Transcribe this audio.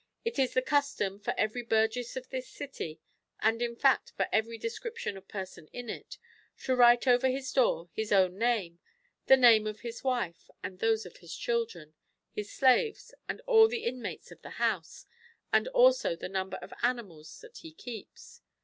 It is the custom for every burgess of this city, and in fact for every description of person in it, to write over his door his own name, the name of his wife, and those of his children, his slaves, and all the inmates of his house, and also the number of animals that he keeps.